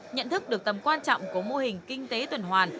nhận thức được tầm quan trọng của mô hình kinh tế tuần hoàn